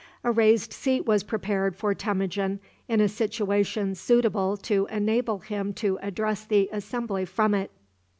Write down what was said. A raised seat was prepared for Temujin in a situation suitable to enable him to address the assembly from it.